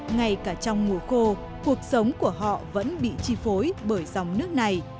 ngay cả trong mùa khô cuộc sống của họ vẫn bị chi phối bởi dòng nước này